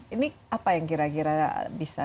ini apa yang kira kira bisa